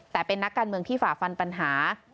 แต่เป็นนักการเมืองที่ฝ่าฟันปัญหา